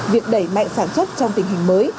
việc đẩy mạnh sản xuất trong tình hình mới